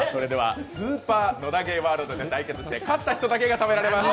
「スーパー野田ゲーワールド」で対決して買った人だけが食べられます。